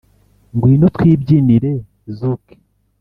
Ngwino twibyinire zuke